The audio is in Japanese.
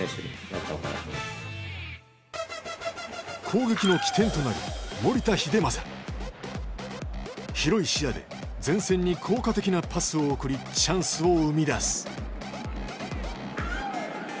攻撃の起点となる広い視野で前線に効果的なパスを送りチャンスを生み出す。